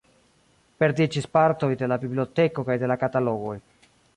Perdiĝis partoj de la biblioteko kaj de la katalogoj.